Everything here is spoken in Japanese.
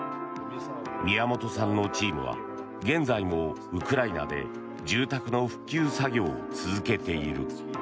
宮本さんのチームは現在もウクライナで住宅の復旧作業を続けている。